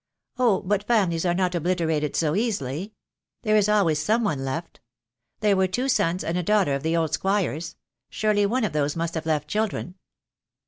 "Oh, but families are not obliterated so easily. There is always some one left. There were two sons and a daughter of the old squire's. Surely one of those must have left children."